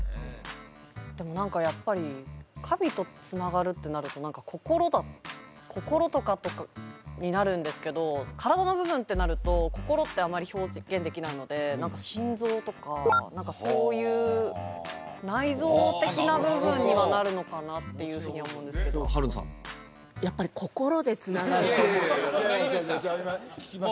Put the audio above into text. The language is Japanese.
でも何かやっぱり神とつながるってなると心とかになるんですけど体の部分ってなると心ってあまり表現できないので何か心臓とかそういう内臓的な部分にはなるのかなっていうふうに思うんですけど春菜さん・いやいや今言いました